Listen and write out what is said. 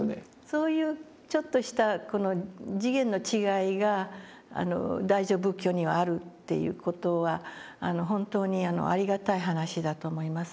そういうちょっとしたこの次元の違いが大乗仏教にはあるっていう事は本当にありがたい話だと思いますね。